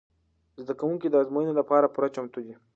زده کوونکي د ازموینو لپاره پوره چمتو دي.